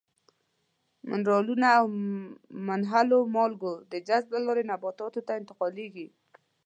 منرالونه او منحلو مالګو د جذب له لارې نباتاتو ته انتقالیږي.